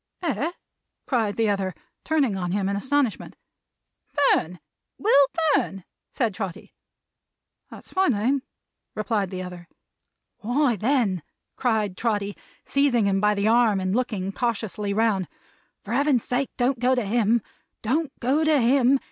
"Eh!" cried the other, turning on him in astonishment. "Fern! Will Fern!" said Trotty. "That's my name," replied the other. "Why, then," cried Trotty, seizing him by the arm and looking cautiously round, "for Heaven's sake don't go to him! Don't go to him!